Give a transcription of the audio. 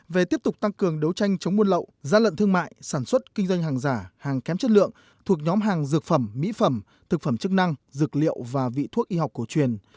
về tiếp tục tăng cường đấu tranh chống muôn lậu giá lợn thương mại sản xuất kinh doanh hàng giả hàng kém chất lượng thuộc nhóm hàng dược phẩm mỹ phẩm thực phẩm chức năng dược liệu và vị thuốc y học cổ truyền